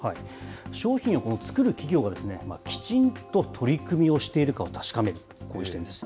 商品を作る企業がきちんと取り組みをしているかを確かめる、こういう視点です。